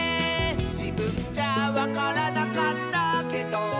「じぶんじゃわからなかったけど」